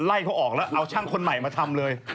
ไล่เขาออกแล้วเอาช่างคนใหม่มาทำเลย